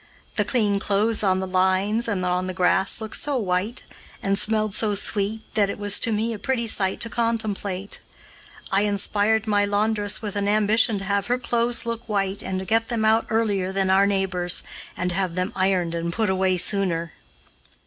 The clean clothes on the lines and on the grass looked so white, and smelled so sweet, that it was to me a pretty sight to contemplate. I inspired my laundress with an ambition to have her clothes look white and to get them out earlier than our neighbors, and to have them ironed and put away sooner.